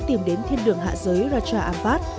tìm đến thiên đường hạ giới raja ampat